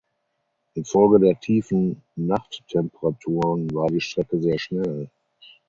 Infolge der tiefen Nachttemperaturen war die Strecke sehr schnell.